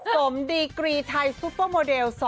สมดีกรีไทยซุปเปอร์โมเดล